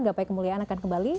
gapai kemuliaan akan kembali